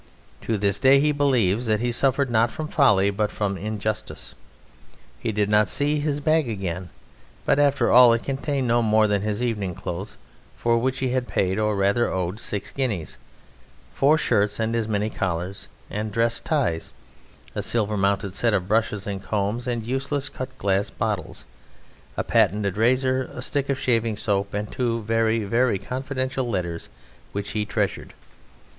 To this day he believes that he suffered not from folly, but from injustice. He did not see his bag again, but after all it contained no more than his evening clothes, for which he had paid or rather owed six guineas, four shirts, as many collars and dress ties, a silver mounted set of brushes and combs, and useless cut glass bottles, a patented razor, a stick of shaving soap, and two very, very confidential letters which he treasured.